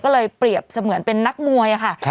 ก็เลยเปรียบเสมือนเป็นนักมวยค่ะ